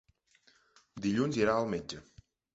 Dilluns irà al metge.